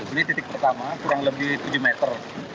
ini titik pertama kurang lebih tujuh meter